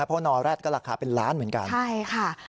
เพราะนอแร็ดก็ราคาเป็นล้านเหมือนกันใช่ค่ะ